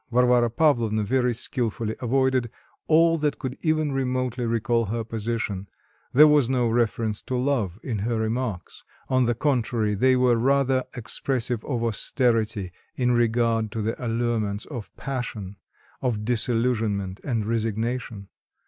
Varvara Pavlovna very skilfully avoided all that could even remotely recall her position; there was no reference to love in her remarks; on the contrary, they were rather expressive of austerity in regard to the allurements of passion, of disillusionment and resignation.